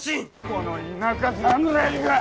この田舎侍が！